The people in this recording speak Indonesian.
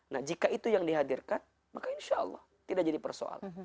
nah jika itu yang dihadirkan maka insya allah tidak jadi persoalan